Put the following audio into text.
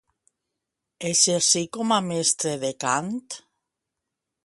Exercí com a mestre de cant?